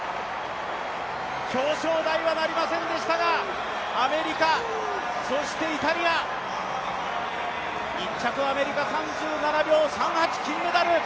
表彰台はなりませんでしたが、アメリカ、そしてイタリア、１着アメリカ３７秒３８金メダル。